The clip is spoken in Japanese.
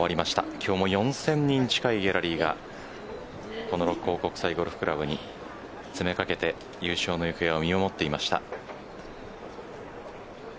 今日も４０００人近いギャラリーがこの六甲国際ゴルフ倶楽部に詰めかけて優勝の行方を見守っていました。